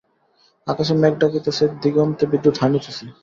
আকাশে মেঘ ডাকিতেছে, দিগন্তে বিদ্যুৎ হানিতেছে।